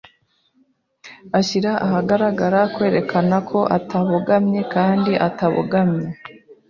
Ashyira ahagaragara kwerekana ko atabogamye kandi atabogamye,